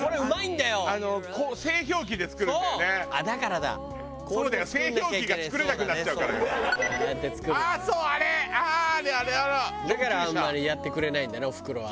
だからあんまりやってくれないんだねおふくろは。